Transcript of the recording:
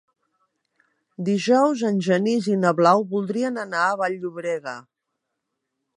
Dijous en Genís i na Blau voldrien anar a Vall-llobrega.